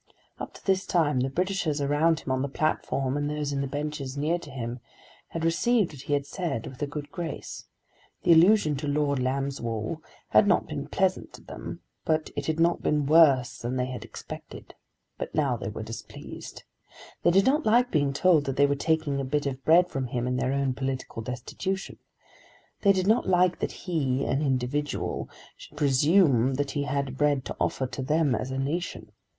Up to this time the Britishers around him on the platform and those in the benches near to him, had received what he said with a good grace. The allusion to Lord Lambswool had not been pleasant to them, but it had not been worse than they had expected. But now they were displeased. They did not like being told that they were taking a bit of bread from him in their own political destitution. They did not like that he, an individual, should presume that he had bread to offer to them as a nation.